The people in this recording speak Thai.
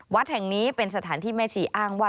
วัดแห่งนี้เป็นสถานที่แม่ชีอ้างว่า